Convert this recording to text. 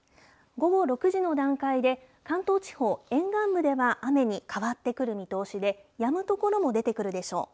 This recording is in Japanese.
午後６時の段階で、関東地方、沿岸部では雨に変わってくる見通しで、やむ所も出てくるでしょう。